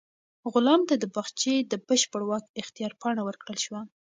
غلام ته د باغچې د بشپړ واک اختیار پاڼه ورکړل شوه.